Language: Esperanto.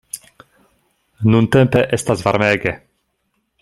Nuntempe estas varmege.